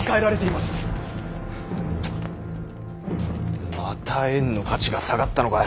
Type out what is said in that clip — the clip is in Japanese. また円の価値が下がったのか。